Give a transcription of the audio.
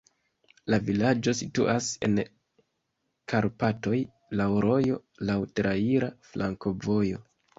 La vilaĝo situas en Karpatoj, laŭ rojo, laŭ traira flankovojo.